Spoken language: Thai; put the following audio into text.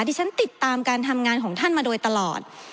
ที่ฉันติดตามการทำงานของท่านมาโดยตลอด